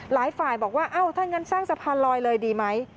หลายฝ่ายบอกว่าเอ้าถ้างั้นสร้างสะพานลอยเลยดีไหม